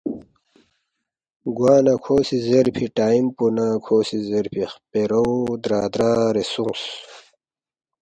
گوانہ کھو سی زیرفی ٹائم پو نہ کھو سی زیرفی خپیرو درا درا رے سونگس